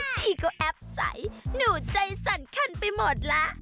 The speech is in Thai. ชีก็แอปใสหนูใจสั่นคันไปหมดแล้ว